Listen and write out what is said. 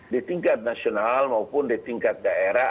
di tingkat nasional maupun di tingkat daerah